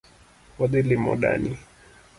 Wadhi limo dani